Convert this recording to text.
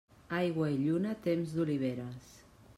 Aigua i lluna, temps d'oliveres.